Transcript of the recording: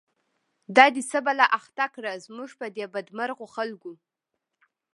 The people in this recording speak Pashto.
دا دی څه بلا اخته کړه، زموږ په دی بد مرغو خلکو